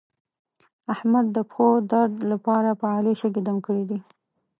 احمد د پښو درد لپاره په علي شګې دم کړې دي.